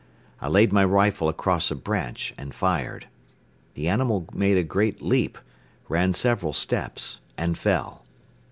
I laid my rifle across a branch and fired. The animal made a great leap, ran several steps and fell.